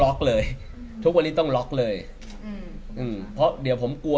ล็อกเลยทุกวันนี้ต้องล็อกเลยเพราะเดี๋ยวผมกลัว